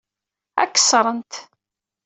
Ad k-ṣṣrent.